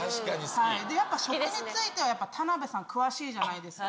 やっぱ食については、田辺さん詳しいじゃないですか。